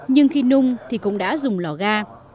nhưng khi nung thì cũng đã dùng lò ga